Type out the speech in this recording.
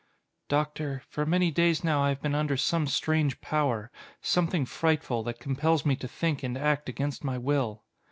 "Doctor, for many days now I have been under some strange power. Something frightful, that compels me to think and act against my will."